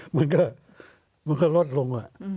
มันก็ลดลง